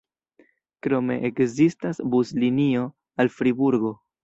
Krome ekzistas buslinio al Friburgo.